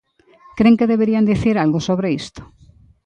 ¿Cren que deberían dicir algo sobre isto?